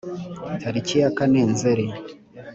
tariki ya kane Nzeri